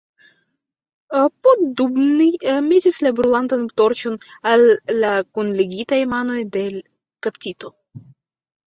Poddubnij metis la brulantan torĉon al la kunligitaj manoj de l' kaptito.